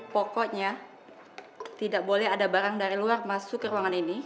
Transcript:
pokoknya tidak boleh ada barang dari luar masuk ke ruangan ini